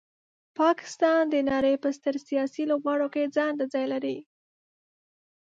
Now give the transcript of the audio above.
پاکستان د نړۍ په ستر سیاسي لوبغاړو کې ځانته ځای لري.